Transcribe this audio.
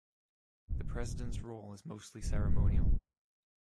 The President's role is mostly ceremonial.